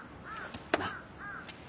なっ。